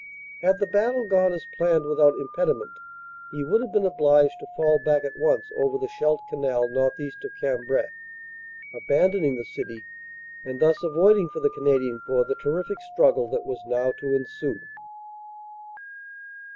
Had the battle gone as planned without impedi ment he would have been obliged to fall back at once over the Scheldt Canal northeast of Cambrai, abandoning the city, and thus avoiding for the Canadian Corps the terrific struggle that was now to ensue.